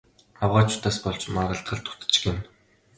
Авгайчуудаас болж маргалдах л дутаж гэнэ.